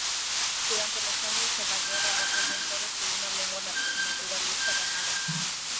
Durante los años de la guerra, los defensores de una lengua naturalista ganaron.